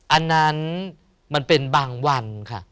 อันนั้นมันเป็นบางวันค่ะ